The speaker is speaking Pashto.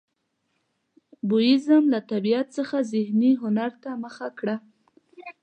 کوبیزم له طبیعت څخه ذهني هنر ته مخه وکړه.